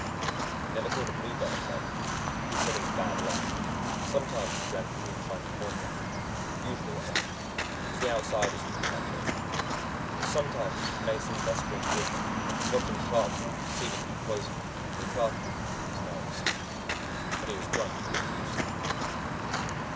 He never killed a bluebird, though. He said it was bad luck. Sometimes he drank moonshine corn liquor, usually alone, because the Outsiders wouldn't touch it, but sometimes he made some of us drink with him, watching sharply to see we didn't poison him and craftily picking his nose. When he was drunk he was abusive.